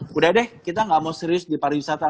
sudah deh kita tidak mau serius di pariwisata